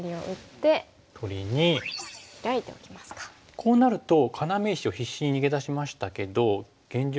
こうなると要石を必死に逃げ出しましたけど現状